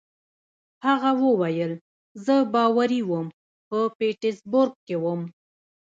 هغه وویل: زه باوري وم، په پیټسبرګ کې ووم.